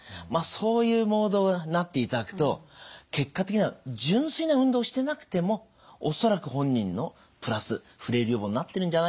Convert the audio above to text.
そういうモードになっていただくと結果的には純粋な運動してなくても恐らく本人のプラスフレイル予防になってるんじゃないかなと思います。